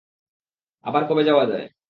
আবার কবে যাওয়া যায়?